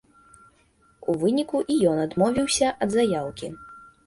У выніку, і ён адмовіўся ад заяўкі.